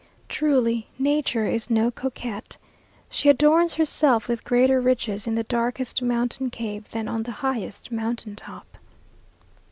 Truly, nature is no coquette. She adorns herself with greater riches in the darkest mountain cave, than on the highest mountain top.